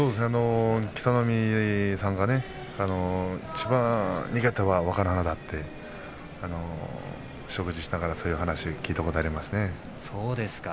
北の湖さんがいちばん苦手は若乃花だって食事をしながら、そういう話を聞いたことがありますね。